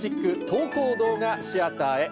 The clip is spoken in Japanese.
投稿動画シアター』へ。